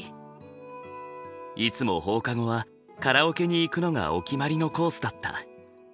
いつも放課後はカラオケに行くのがお決まりのコースだった。